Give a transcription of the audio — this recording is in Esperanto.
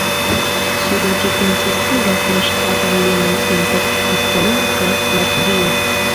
Sude ĝi konsistigas la ŝtatan limon inter Estonio kaj Latvio.